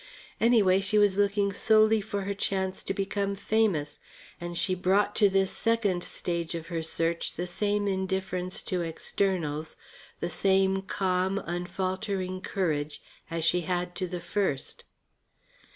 Anyway, she was looking solely for her chance to become famous, and she brought to this second stage of her search the same indifference to externals, the same calm, unfaltering courage as she had to the first.